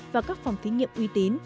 và các phòng thí nghiệm uy tín